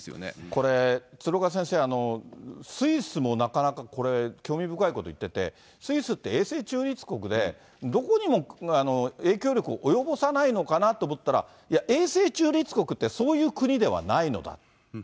これ、鶴岡先生、スイスもなかなか、これ、興味深いこと言ってて、スイスって永世中立国で、どこにも影響力を及ぼさないのかなと思ったら、いや、永世中立国ってそういう国ではないのだ。